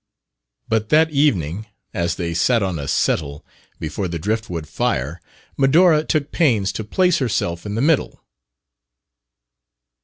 But that evening, as they sat on a settle before the driftwood fire, Medora took pains to place herself in the middle.